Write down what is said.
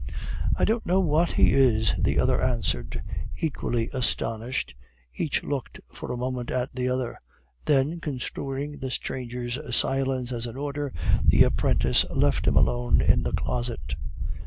"I don't know what he is," the other answered. Equally astonished, each looked for a moment at the other. Then construing the stranger's silence as an order, the apprentice left him alone in the closet.